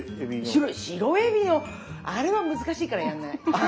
白えびのあれは難しいからやんない。